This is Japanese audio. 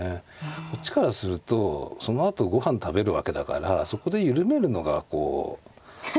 こっちからするとそのあと御飯食べるわけだからそこで緩めるのがこうねえ。